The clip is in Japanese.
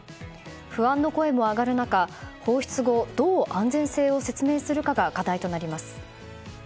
不安の声も上がる中放出後どう安全性を説明するかが課題となります。